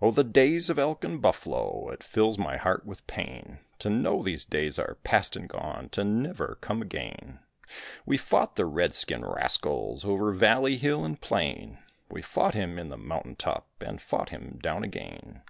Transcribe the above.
Oh, the days of elk and buffalo! It fills my heart with pain To know these days are past and gone To never come again. We fought the red skin rascals Over valley, hill, and plain; We fought him in the mountain top, And fought him down again.